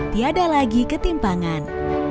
tiada lagi ketimpangan